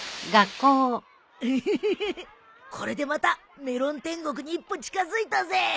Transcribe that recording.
ウヘヘこれでまたメロン天国に一歩近づいたぜ。